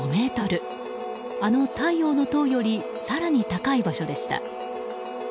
あの太陽の塔より更に高い場所でした。